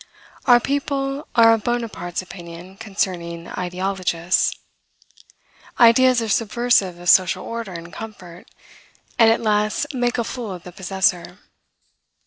Our people are of Bonaparte's opinion concerning ideologists. Ideas are subversive of social order and comfort, and at last make a fool of the possessor.